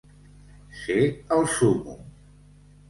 Ser el súmmum.